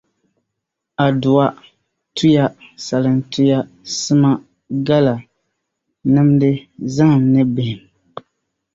Adua, tuya, salaŋtuya, sima, gala, nimdi, zahim ni bihim.